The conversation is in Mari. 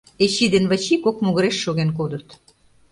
Эчи ден Вачи кок могыреш шоген кодыт.